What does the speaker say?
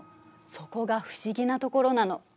そこが不思議なところなの。